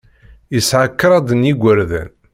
Yesɛa kraḍ n yigerdan.